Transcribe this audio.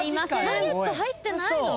ナゲット入ってないの！？